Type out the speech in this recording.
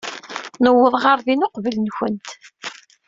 Nuweḍ ɣer din uqbel-nwent.